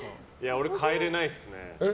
俺、変えれないっすね。